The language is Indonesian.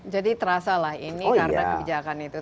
jadi terasa lah ini karena kebijakan itu